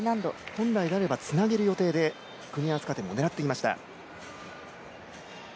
本来であればつなげる予定で追加点も狙っていました。